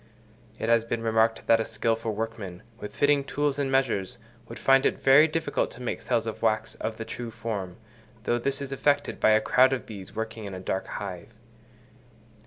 It has been remarked that a skilful workman, with fitting tools and measures, would find it very difficult to make cells of wax of the true form, though this is effected by a crowd of bees working in a dark hive.